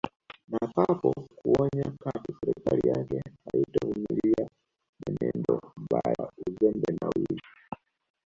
Na papo kuonya katu serikali yake haitovumilia mwenendo mbaya uzembe na wizi